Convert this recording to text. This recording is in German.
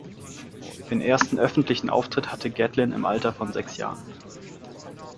Den ersten öffentlichen Auftritt hatte Gatlin im Alter von sechs Jahren.